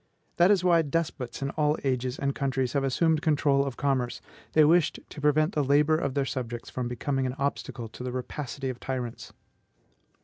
That is why despots in all ages and countries have assumed control of commerce; they wished to prevent the labor of their subjects from becoming an obstacle to the rapacity of tyrants.